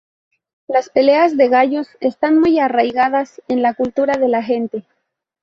Las peleas de gallos están muy arraigadas en la cultura de la gente.